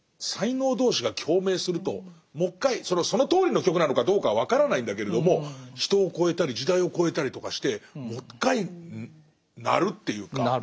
才能同士が共鳴するともう１回そのとおりの曲なのかどうかは分からないんだけれども人を超えたり時代を超えたりとかしてもう１回鳴るっていうか。